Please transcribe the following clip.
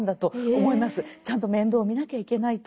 ちゃんと面倒を見なきゃいけないと。